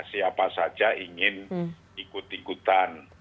siapa saja ingin ikut ikutan